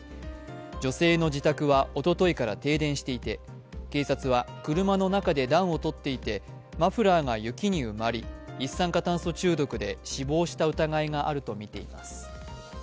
女性の自宅は、おとといから停電していて、警察は車の中で暖を取っていてマフラーが雪に埋まり一酸化炭素中毒で死亡した疑いがあるとみています。